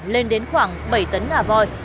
lên đến khoảng bảy tấn ngả voi